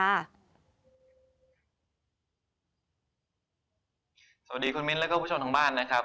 สวัสดีคุณมิ้นแล้วก็ผู้ชมทางบ้านนะครับ